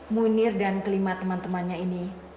munir dan kelima teman temannya ini